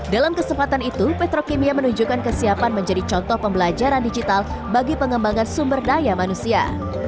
dalam kesempatan itu petrokimia menunjukkan kesiapan menjadi contoh pembelajaran digital bagi pengembangan sumber daya manusia